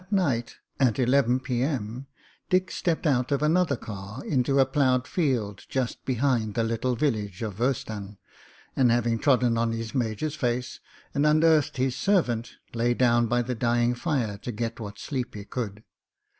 .•. That night at 1 1 p.m. Dick stepped out of another car into a ploughed field just behind the little village of Woesten, and, having trodden on his major's face THE MOTOR GUN 33 and unearthed his servant, lay down by the dying fire to get what sleep he could.